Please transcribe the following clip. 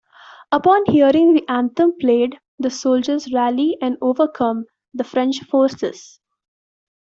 Upon hearing the anthem played, the soldiers rally and overcome the French forces.